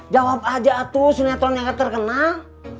jawab aja tuh sinetron yang terkenal